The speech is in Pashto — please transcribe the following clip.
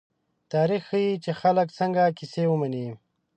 تاریخ ښيي، چې خلک څنګه کیسې مني.